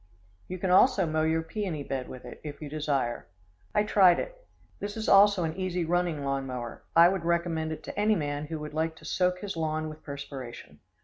You can also mow your peony bed with it, if you desire. I tried it. This is also an easy running lawn mower, I would recommend it to any man who would like to soak his lawn with perspiration.